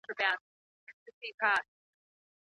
ژورنالیزم پوهنځۍ بې هدفه نه تعقیبیږي.